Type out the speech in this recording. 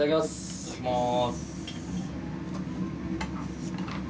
いただきます。